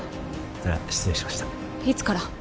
それは失礼しましたいつから？